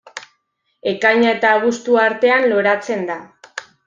Ekaina eta abuztua artean loratzen da.